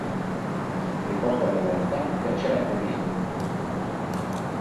E poco alla volta piacerebbe meno.